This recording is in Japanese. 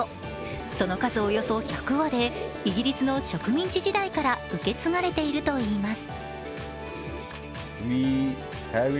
その数およそ１００羽でイギリスの植民地時代から受け継がれているといいます。